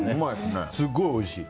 すごいおいしい。